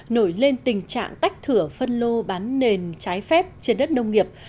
nổi lên tình trạng tách thửa phân lô bán nền trái phép